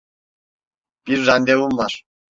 Bir randevum var.